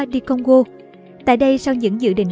đi congo tại đây sau những dự định